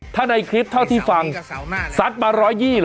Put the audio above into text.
ถ้าในคลิปเท่าที่ฟังซัดมา๑๒๐เหรอ